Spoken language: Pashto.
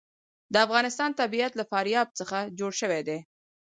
د افغانستان طبیعت له فاریاب څخه جوړ شوی دی.